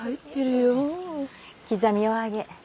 刻みお揚げ